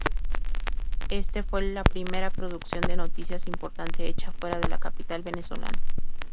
Este fue la primera producción de noticias importante hecha fuera de la capital venezolana.